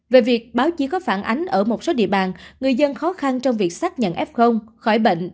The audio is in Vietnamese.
về việc báo chí có phản ánh ở một số địa bàn người dân khó khăn trong việc xác nhận f khỏi bệnh